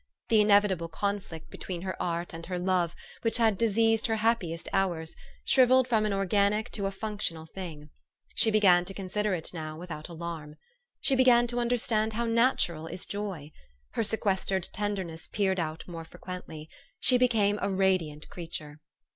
The inevitable conflict between her art and her love, which had diseased her happiest hours, shrivelled from an organic to a functional thing. She began to consider it now without alarm. THE STORY OF AVIS. 223 She began to understand how natural is joy. Her sequestered tenderness peered out more frequently. She became a radiant creature.